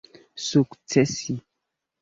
sukcesi